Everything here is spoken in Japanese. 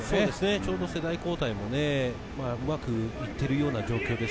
ちょうど世代交代もうまくいっている状況です。